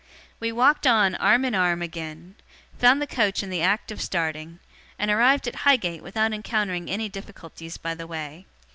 We walked on, arm in arm, again; found the coach in the act of starting; and arrived at Highgate without encountering any difficulties by the way.